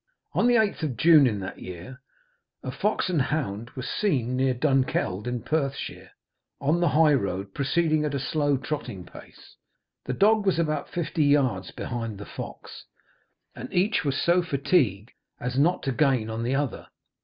On the 8th of June in that year, a fox and hound were seen near Dunkeld in Perthshire, on the high road, proceeding at a slow trotting pace. The dog was about fifty yards behind the fox, and each was so fatigued as not to gain on the other.